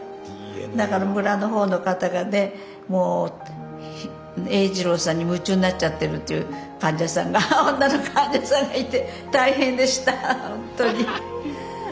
だから村の方の方がねもう栄一郎さんに夢中になっちゃってるっていう患者さんが女の患者さんがいて大変でしたほんとに。